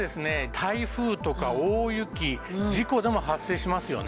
台風とか大雪事故でも発生しますよね。